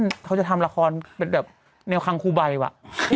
เพราะฉะนั้นเขาจะทำละครแบบแนวคังคู่ใบว่ะ